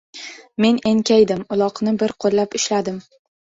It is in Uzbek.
Men enkaydim, uloqni bir qo‘llab ushladim.